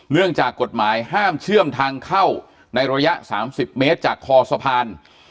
เนื่องจากกฎหมายห้ามเชื่อมทางเข้าในระยะ๓๐เมตรจากคอสะพาน